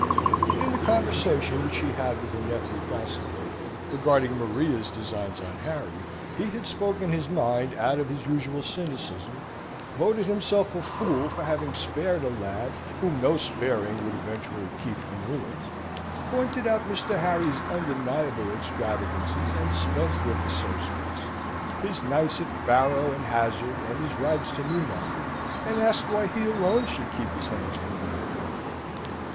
But in the conversation which she had with her nephew Castlewood regarding Maria's designs on Harry, he had spoken his mind out with his usual cynicism, voted himself a fool for having spared a lad whom no sparing would eventually keep from ruin; pointed out Mr. Harry's undeniable extravagances and spendthrift associates, his nights at faro and hazard, and his rides to Newmarket, and asked why he alone should keep his hands from the young fellow?